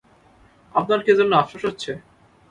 আপনার কি এজন্য আফসোস হচ্ছে?